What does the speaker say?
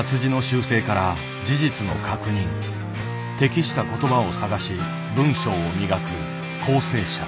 適した言葉を探し文章を磨く校正者。